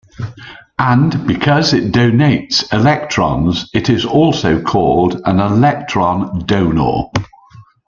And because it "donates" electrons it is also called an electron donor.